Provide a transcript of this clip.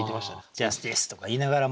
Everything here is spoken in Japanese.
「ジャスティス！」とか言いながらも。